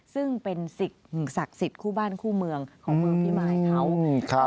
ซึ่งเป็นสิ่งศักดิ์สิทธิ์คู่บ้านคู่เมืองของเมืองพิมายเขา